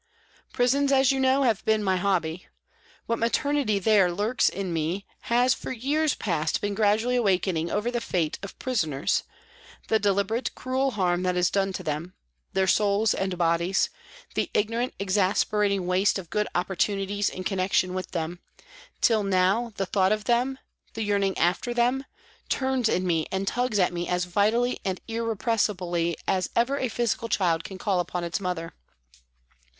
" Prisons, as you know, have been my hobby. What maternity there lurks in me has for years past been gradually awakening over the fate of prisoners, the deliberate, cruel harm that is done to them, their souls and bodies, the ignorant, exasperating waste of good opportunities in connection with them, till now the thought of them, the yearning after them, turns in me and tugs at me as vitally and irrepressibly as ever a physical child can call upon its mother.